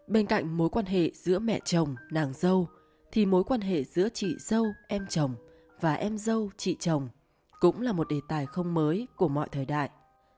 bên cạnh mối quan hệ giữa mẹ chồng nàng dâu thì mối quan hệ giữa chị dâu em chồng và em dâu chị chồng cũng là một đề tài không mới của mọi thời đại